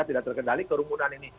tidak terkendali kerumunan ini